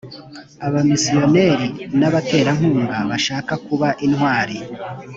abamisiyoneri n’ abaterankunga bashaka kuba intwari.